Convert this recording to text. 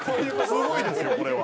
すごいですよこれは。